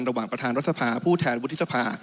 ระหว่างประธานรัฐภาพูดแทนวุฒิสภา